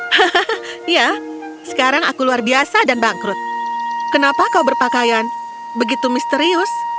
hahaha ya sekarang aku luar biasa dan bangkrut kenapa kau berpakaian begitu misterius